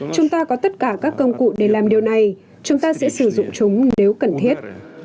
chúng ta có tất cả các công cụ để làm điều này chúng ta sẽ sử dụng chúng nếu cần thiết